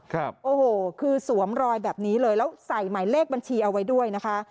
ครับโอ้โหคือสวมรอยแบบนี้เลยแล้วใส่หมายเลขบัญชีเอาไว้ด้วยนะคะ